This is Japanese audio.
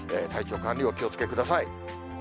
体調管理、お気をつけください。